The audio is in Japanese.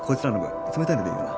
冷たいのでいいよな？